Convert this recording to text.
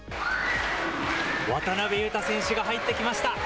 渡邊雄太選手が入ってきました。